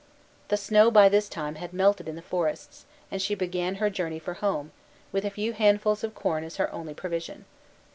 The snow by this time had melted in the forests, and she began her journey for home, with a few handfuls of corn as her only provision.